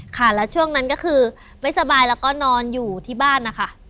ค่ะแล้วช่วงนั้นก็คือไม่สบายแล้วก็นอนอยู่ที่บ้านนะคะ